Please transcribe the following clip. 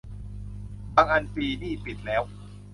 บางอันปีนี้ปิดแล้ว